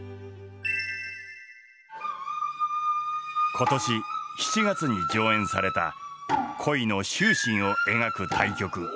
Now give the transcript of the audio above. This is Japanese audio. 今年７月に上演された恋の執心を描く大曲「道成寺」。